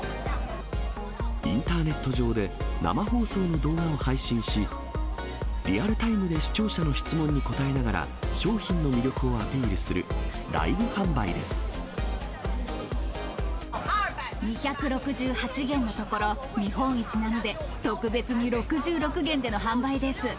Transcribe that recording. インターネット上で生放送の動画を配信し、リアルタイムで視聴者の質問に答えながら商品の魅力をアピールす２６８元のところ、見本市なので、特別に６６元での販売です。